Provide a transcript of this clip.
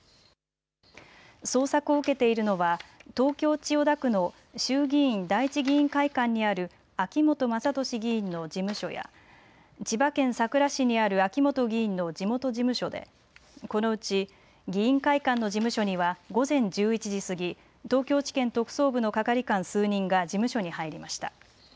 捜索を受けているのは東京千代田区の衆議院第一議員会館にある秋本真利議員の事務所や千葉県佐倉市にある秋本議員の地元事務所で、このうち議員会館の事務所には午前１１時過ぎ、東京地検特捜部の係官数人が事務所に入りました。